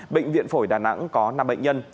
bệnh viện phổi đà nẵng có năm bệnh nhân